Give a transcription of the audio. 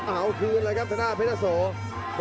เอาคืนเลยครับเวทะโสบ